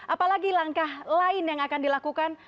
apalagi langkah lain yang akan dilakukan